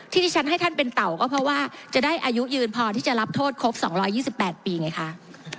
ที่ที่ฉันให้ท่านเป็นเต่าก็เพราะว่าจะได้อายุยืนพอที่จะรับโทษครบ๒๒๘ปีไงคะ